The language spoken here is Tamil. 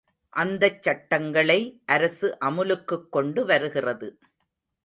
அந்தச் சட்டங்களை அரசு அமுலுக்குக் கொண்டு வருகிறது.